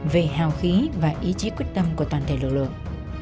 về hào khí và ý chí quyết tâm của toàn thể lực lượng